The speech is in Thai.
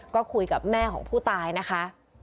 ก็คุยกับแม่ของผู้ตายนะคะ